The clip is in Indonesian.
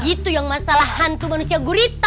itu yang masalah hantu manusia gurita